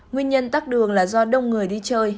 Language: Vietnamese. nguyên tắc đường là do đông người đi chơi